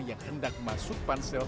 yang hendak masuk pansel